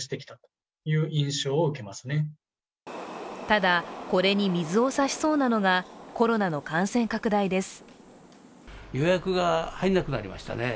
ただこれに水を差しそうなのがコロナの感染拡大です。